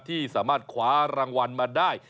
ที่สามารถคว้ารางวัลมาได้